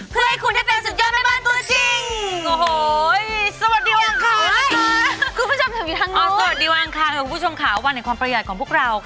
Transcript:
เพื่อให้คุณให้เป็นสุดยอดแม่บ้านตัวจริง